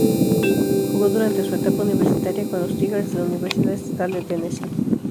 Jugó durante su etapa universitaria con los "Tigers" de la Universidad Estatal de Tennessee.